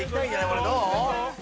これどう？